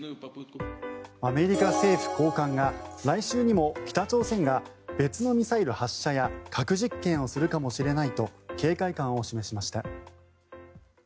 アメリカ政府高官が来週にも北朝鮮が別のミサイル発射や核実験をするかもしれないと警戒感を示しました。